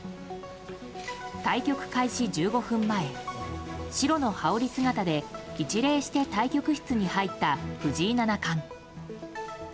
対局開始１５分前、白の羽織姿で一礼して対局室に入った藤井七冠。